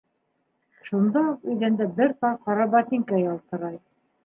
Шунда уҡ иҙәндә бер пар ҡара ботинка ялтырай.